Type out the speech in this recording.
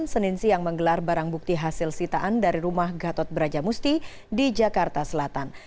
senin siang menggelar barang bukti hasil sitaan dari rumah gatot brajamusti di jakarta selatan